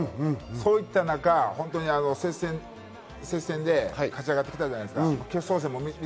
そういった中、接戦で勝ち上がってきたじゃないですか。